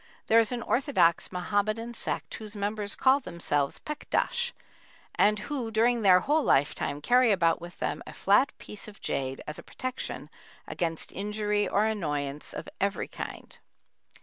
There is an orthodox Mohammedan sect, whose members call themselves Pekdash, and who during their whole lifetime carry about with them a flat piece of jade as a protection against injury or annoyance of every kind.